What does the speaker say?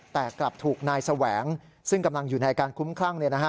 แต่กลับถูกนายแสวงซึ่งกำลังอยู่ในอาการคุ้มคลั่ง